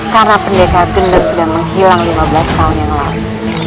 karena pendekar gendeng sudah menghilang lima belas tahun yang lalu